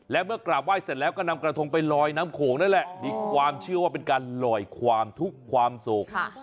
และเมื่อกราบไหว้เสร็จแล้วก็นำกระทงไปลอยน้ำโขงนั่นแหละมีความเชื่อว่าเป็นการลอยความทุกข์ความโศก